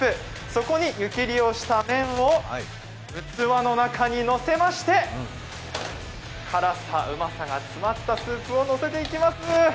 そこに湯切りをした麺を器の中にのせまして辛さ、うまさが詰まったスープをのせていきます。